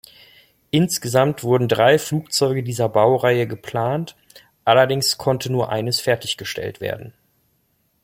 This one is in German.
Insgesamt wurden drei Flugzeuge dieser Baureihe geplant, allerdings konnte nur eines fertiggestellt werden.